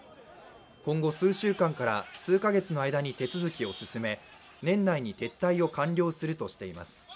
今後、数週間から数か月の間に手続きを進め、年内に撤退を完了するとしています。